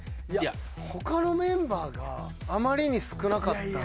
他のメンバーがあまりに少なかったんで。